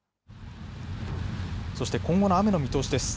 そして、今後の雨の見通しです。